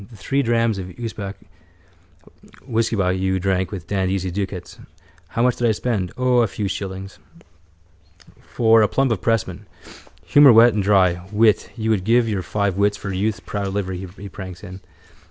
Three drams of usquebaugh you drank with Dan Deasy's ducats. How much did I spend? O, a few shillings. For a plump of pressmen. Humour wet and dry. Wit. You would give your five wits for youth's proud livery he pranks in.